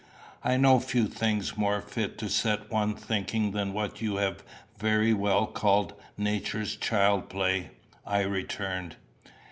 "I know few things more fit to set one thinking than what you have very well called Nature's childplay," I returned.